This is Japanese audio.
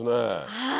はい。